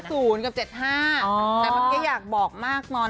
๕๐กับ๗๕แต่มันก็อยากบอกมากนอน